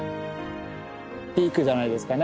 ピークじゃないですかね